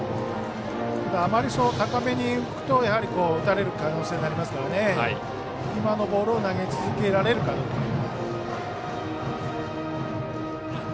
あまり高めに浮くと打たれる可能性ありますから今のボールを投げ続けられるかどうか。